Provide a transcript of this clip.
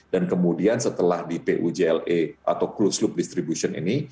dan kemudian setelah di pujla atau closed loop distribution ini